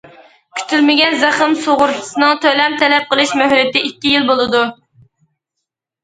كۈتۈلمىگەن زەخىم سۇغۇرتىسىنىڭ تۆلەم تەلەپ قىلىش مۆھلىتى ئىككى يىل بولىدۇ.